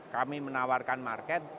kami menawarkan market